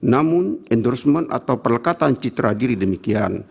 namun endorsement atau perlekatan citra diri demikian